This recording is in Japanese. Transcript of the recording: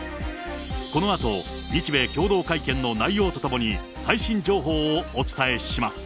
このあと、日米共同会見の内容とともに、最新情報をお伝えします。